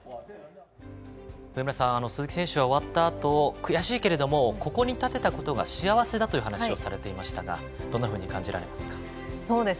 上村さん、鈴木選手は終わったあと悔しいけれどもここに立てたことが幸せだという話をされていましたがどんなふうに感じられますか。